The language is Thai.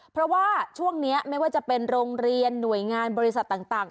เพราะว่าช่วงนี้ไม่ว่าจะเป็นโรงเรียนหน่วยงานบริษัทต่าง